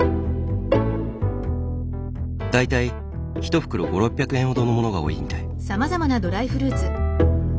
大体一袋５００６００円ほどのものが多いみたい。